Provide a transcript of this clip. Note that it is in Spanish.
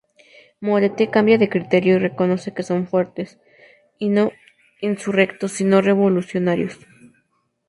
Morote cambia de criterio y reconoce que son fuertes, y no insurrectos sino revolucionarios.